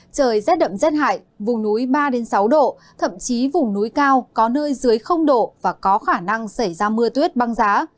trời rét đậm rét hại vùng núi ba sáu độ thậm chí vùng núi cao có nơi dưới độ và có khả năng xảy ra mưa tuyết băng giá